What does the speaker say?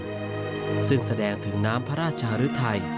ทวายศัตรูปฏิญาณซึ่งแสดงถึงน้ำพระราชหรือไทย